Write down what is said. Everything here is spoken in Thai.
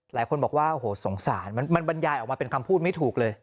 หลายคนบอกว่าโอ้โหสงสารมันบรรยายออกมาเป็นคำพูดไม่ถูกเลย